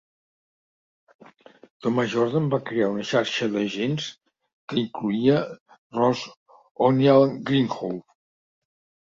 Thomas Jordan va crear una xarxa d'agents que incloïa Rose O'Neal Greenhow.